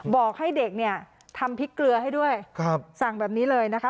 บอกให้เด็กเนี่ยทำพริกเกลือให้ด้วยสั่งแบบนี้เลยนะคะ